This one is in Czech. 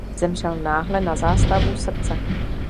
Zemřel náhle na zástavu srdce.